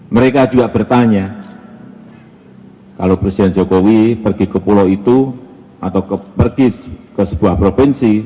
mereka juga bertanya kalau presiden jokowi pergi ke pulau itu atau pergi ke sebuah provinsi